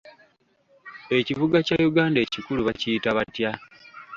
Ekibuga kya Uganda ekikulu bakiyita batya?